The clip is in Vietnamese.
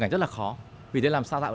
rất là khó vì thế làm sao ra